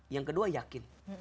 yang kedua yakin